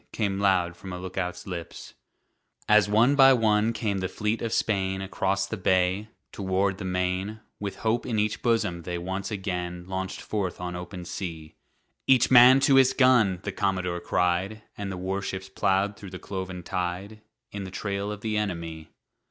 Came loud from a lookout's lips. As one by one came the fleet of Spain Across the bay, toward the main, With hope in each bosom they once again Launched forth on open sea. "Each man to his gun!" the commodore cried, And the warships plowed through the cloven tide, In the trail of the enemy.